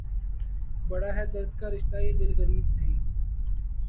بڑا ہے درد کا رشتہ یہ دل غریب سہی